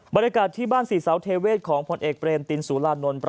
บรรยากาศที่บ้านศรีเสาเทเวศของผลเอกเบรมตินสุรานนท์